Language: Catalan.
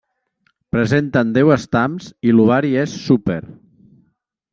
Presenten deu estams i l'ovari és súper.